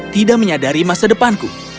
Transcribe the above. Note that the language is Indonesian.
tidak menyadari masa depanku